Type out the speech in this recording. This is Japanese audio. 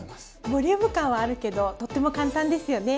ボリューム感はあるけどとっても簡単ですよね。